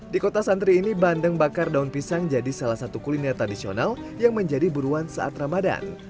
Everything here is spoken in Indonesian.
di kota santri ini bandeng bakar daun pisang jadi salah satu kuliner tradisional yang menjadi buruan saat ramadan